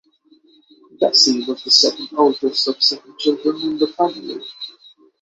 Bessie was the second oldest of seven children in the family.